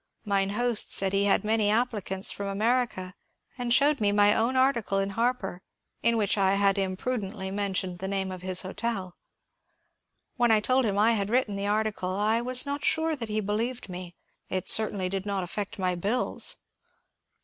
Mine host said he had many applicants from America, and showed me my own article in ^^ Harper " in which I had imprudently mentioned the name of his hotel. When I told him I had written the article, I was not sure that he believed me ; it certainly did not affect my bills.